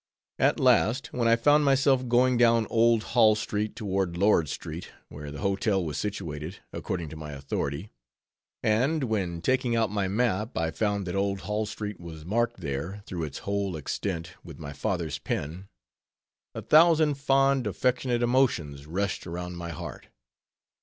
At last, when I found myself going down Old Hall street toward Lord street, where the hotel was situated, according to my authority; and when, taking out my map, I found that Old Hall street was marked there, through its whole extent with my father's pen; a thousand fond, affectionate emotions rushed around my heart.